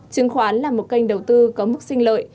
chứng khoán là một kênh đầu tư có mức sinh lợi